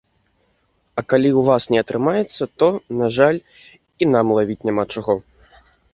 А калі ў вас не атрымаецца, то, на жаль, і нам лавіць няма чаго.